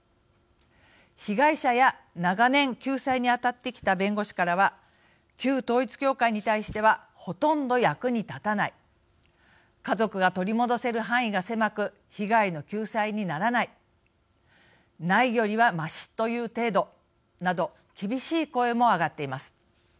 被害者や長年救済に当たってきた弁護士からは「旧統一教会に対してはほとんど役に立たない」「家族が取り戻せる範囲が狭く被害の救済にならない」「ないよりはましという程度」など、厳しい声も上がっています。